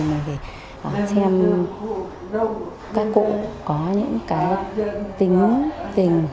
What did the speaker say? mình phải xem các cụ có những tính tình